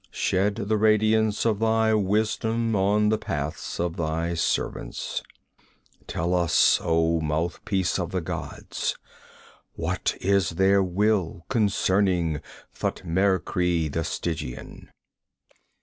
Shed the radiance of thy wisdom on the paths of thy servants! Tell us, oh mouthpiece of the gods: what is their will concerning Thutmekri the Stygian?'